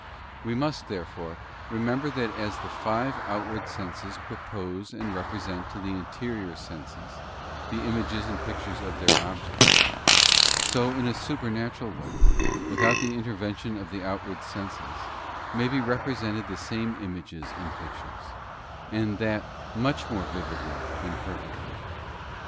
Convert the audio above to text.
We must, therefore, remember that as the five outward senses propose and represent to the interior senses the images and pictures of their objects; so in a supernatural way, without the intervention of the outward senses, may be represented the same images and pictures, and that much more vividly and perfectly.